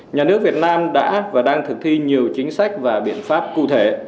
nhà nước việt nam đã và đang thực thi nhiều chính sách và biện pháp cụ thể